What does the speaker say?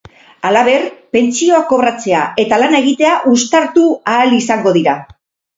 Halaber, pentsioa kobratzea eta lana egitea uztartu ahal izango dira.